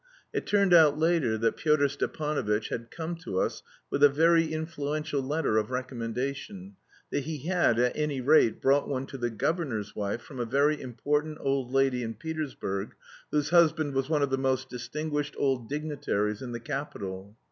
It turned out later that Pyotr Stepanovitch had come to us with a very influential letter of recommendation, that he had, at any rate, brought one to the governor's wife from a very important old lady in Petersburg, whose husband was one of the most distinguished old dignitaries in the capital.